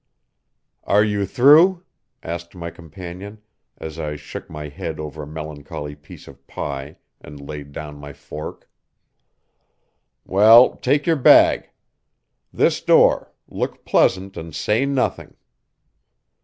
"Are you through?" asked my companion, as I shook my head over a melancholy piece of pie, and laid down my fork. "Well, take your bag. This door look pleasant and say nothing."